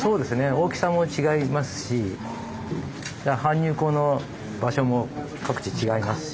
大きさも違いますし搬入口の場所も各地違いますし。